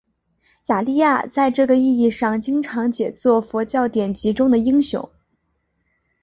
雅利亚在这个意义上经常解作佛教典籍中的英雄。